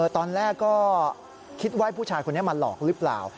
ตอนแรกก็คิดว่าผู้ชายคนนี้มาหลอกหรือเปล่า